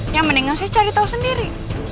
yang mendingan saya cari tau sendiri